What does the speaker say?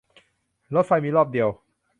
รถไฟมีรอบเดียว